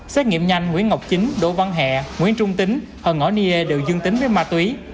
xét nghiệm nhanh nguyễn ngọc chính đỗ văn hẹ nguyễn trung tính hờ ngõ niê đều dương tính với ma túy